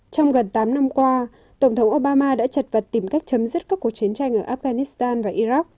trong gần tám năm qua tổng thống obama đã chật vật tìm cách chấm dứt các cuộc chiến tranh ở afghanistan và iraq